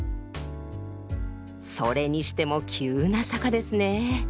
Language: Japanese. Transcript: それにしても急な坂ですねえ。